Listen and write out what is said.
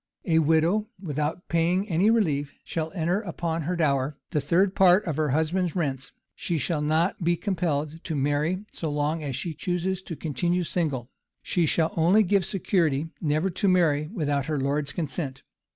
A widow, without paying any relief, shall enter upon her dower, the third part of her husband's rents: she shall not be compelled to marry, so long as she chooses to continue single; she shall only give security never to marry without her lord's consent.